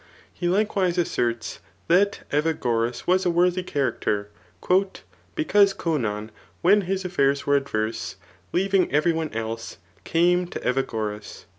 3 He likewise asserts that Evagoras was a worthy character, because Conon when his affairs were adverse, leaving every one else, came to Evagoras."